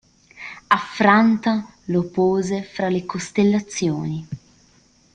Affranta, lo pose fra le costellazioni.